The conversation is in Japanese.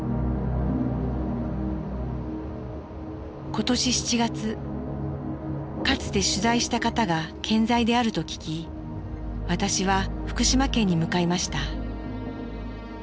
今年７月かつて取材した方が健在であると聞き私は福島県に向かいました。